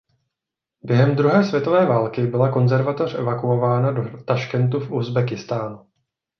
Během druhé světové války byla konzervatoř evakuována do Taškentu v Uzbekistánu.